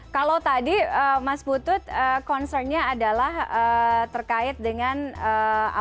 kalau tadi mas putut concernnya adalah terkait dengan apa